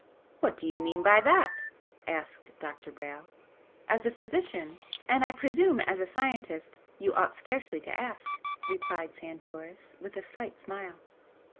"What do you mean by that?" asked Dr. Brayle. "As a physician, and I presume as a scientist, you ought scarcely to ask," replied Santoris, with a slight smile.